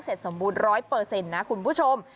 เสร็จสมบูรณ์ร้อยเปอร์เซ็นต์นะคุณผู้ชม